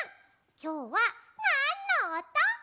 きょうはなんのおと？